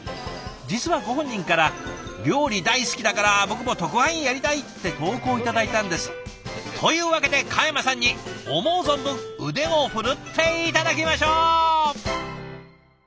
実はご本人から「料理大好きだから僕も特派員やりたい」って投稿を頂いたんです。というわけで嘉山さんに思う存分腕を振るって頂きましょう！